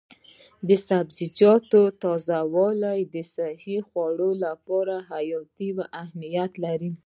د سبزیجاتو تازه والي د صحي خوړو لپاره حیاتي اهمیت لري.